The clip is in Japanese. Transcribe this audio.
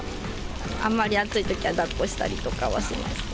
あんまり暑いときはだっこしたりとかはしますね。